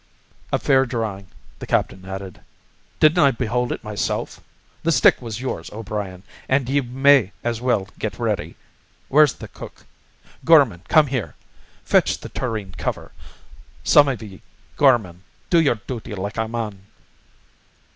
"A fair drawin'," the captain added. "Didn't I behold it myself? The stick was yours, O'Brien, an' ye may as well get ready. Where's the cook? Gorman, come here. Fetch the tureen cover, some of ye. Gorman, do your duty like a man."